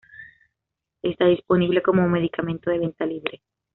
Está disponible como medicamento de venta libre.